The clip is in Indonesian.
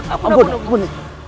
ampun ampun ampun